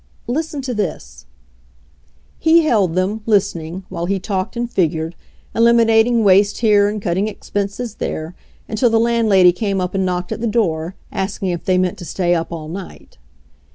Listen to this " He held them, listening, while he talked and figured, eliminating waste here and cutting expenses there, until the landlady came up and knocked at the door, asking if they meant to stay up all night.